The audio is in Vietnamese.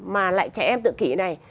mà lại trẻ em tự kỷ này